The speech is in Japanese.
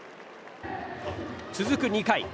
続く２回。